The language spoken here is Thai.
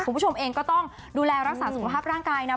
คุณผู้ชมเองก็ต้องดูแลรักษาสุขภาพร่างกายนะ